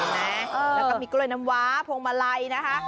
แล้วก็มีกล้วยน้ำว้าพวงมาลัยนะคะ